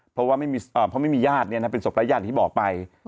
เพราะไม่มีญาติเนี่ยนะเป็นศพไร้ญาติที่บ่อไป